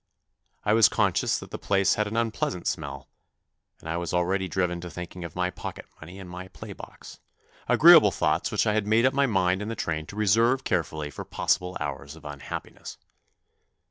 I was conscious that the place had an unpleasant smell, and I was already driven to thinking of my pocket money and my play box agreeable thoughts which I had made up my mind in the train to reserve carefully for possible hours of un happiness.